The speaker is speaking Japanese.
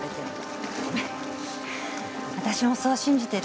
私もそう信じてる。